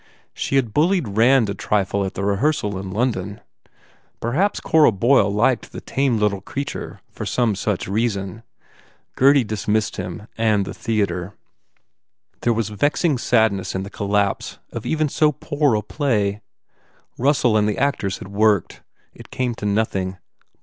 She had bullied Rand a trifle at the rehearsal in London. Perhaps Cora Boyle liked the tame little creature for some such reason. Gurdy dismissed him and the theatre. There was vex 244 BUBBLE ing sadness in the collapse of even so poor a play. Russell and the actors had worked. It came to nothing.